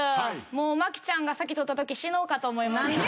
もう麻貴ちゃんが先取ったとき死のうかと思いました。